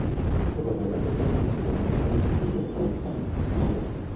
প্রকল্পের কার্যক্রম সম্পর্কে ধারণা প্রদান করেন প্রকল্পের ফোকাল পারসন ওমর ফারুক।